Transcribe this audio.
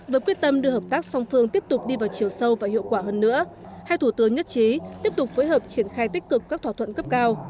với quyết tâm đưa hợp tác song phương tiếp tục đi vào chiều sâu và hiệu quả hơn nữa hai thủ tướng nhất trí tiếp tục phối hợp triển khai tích cực các thỏa thuận cấp cao